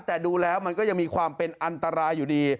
แต่ดูแล้วมันก็ยังมีความเป็นอันตรายอยู่ดี